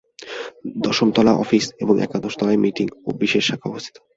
দশম তলায় অফিস এবং একাদশ তলায় নিটিং ও বিশেষ শাখা অবস্থিত।